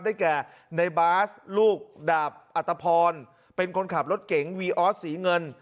แก่ในบาสลูกดาบอัตภพรเป็นคนขับรถเก๋งวีออสสีเงิน